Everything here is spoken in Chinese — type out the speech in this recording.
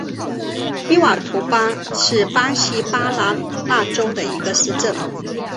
伊瓦图巴是巴西巴拉那州的一个市镇。